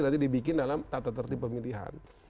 nanti dibikin dalam tata tertib pemilihan